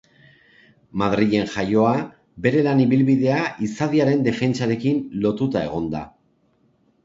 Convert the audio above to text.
Madrilen jaioa, bere lan ibilbidea izadiaren defentsarekin lotuta egon da.